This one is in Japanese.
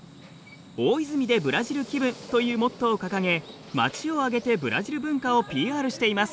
大泉でブラジル気分というモットーを掲げ町を挙げてブラジル文化をＰＲしています。